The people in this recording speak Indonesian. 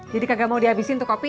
jadi kagak mau dihabisin untuk kopi